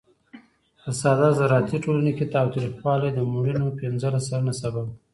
په ساده زراعتي ټولنو کې تاوتریخوالی د مړینو پینځلس سلنه سبب و.